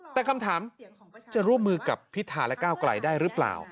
แต่คำถามจะร่วมมือกับพิธาและก้าวไกลได้หรือเปล่า